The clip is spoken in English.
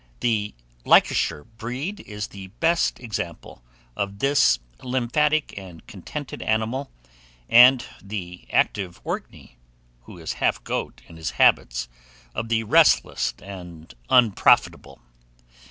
The Leicestershire breed is the best example of this lymphatic and contented animal, and the active Orkney, who is half goat in his habits, of the restless and unprofitable.